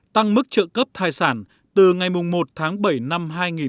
tăng mức trợ cấp thai sản từ ngày một tháng bảy năm hai nghìn một mươi tám